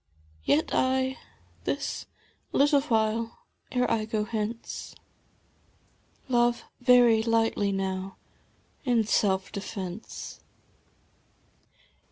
Yet I, this little while ere I go hence, Love veiy lightly now, in self defence.